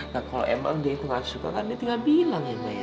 nah kalau emang dia itu gak suka kan dia tinggal bilang ya ma ya